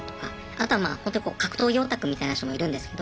あとはまあ格闘技オタクみたいな人もいるんですけど。